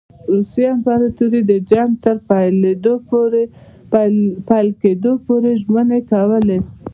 روسي امپراطوري د جنګ تر پیل کېدلو پوري ژمنې کولې.